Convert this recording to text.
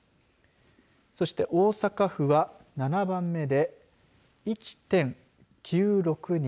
そして、大阪府は７番目で１．９６人。